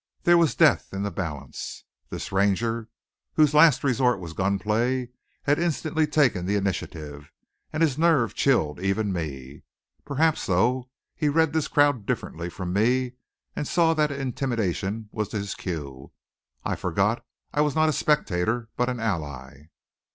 There was death in the balance. This Ranger, whose last resort was gun play, had instantly taken the initiative, and his nerve chilled even me. Perhaps though, he read this crowd differently from me and saw that intimidation was his cue. I forgot I was not a spectator, but an ally.